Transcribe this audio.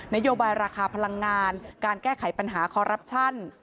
นโยบายราคาพลังงานการแก้ไขปัญหาคอรัปชั่น